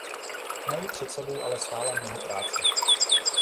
Mají před sebou ale stále mnoho práce.